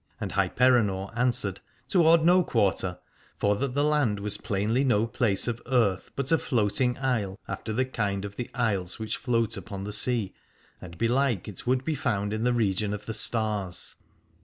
And Hyperenor answered Toward no quarter : for that the land was plainly no place of earth, but a floating isle, after the kind of the isles which float upon the sea, and belike it would be found in the region of the stars.